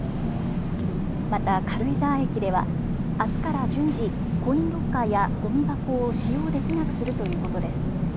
また軽井沢駅ではあすから順次、コインロッカーやごみ箱を使用できなくするということです。